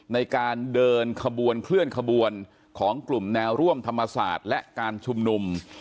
ในการเดินขบวนเคลื่อนขบวนของกลุ่มแนวร่วมธรรมศาสตร์และการชุมนุม